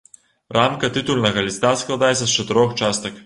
Рамка тытульнага ліста складаецца з чатырох частак.